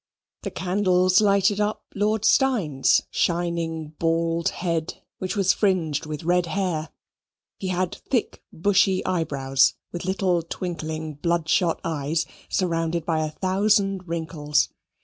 The candles lighted up Lord Steyne's shining bald head, which was fringed with red hair. He had thick bushy eyebrows, with little twinkling bloodshot eyes, surrounded by a thousand wrinkles.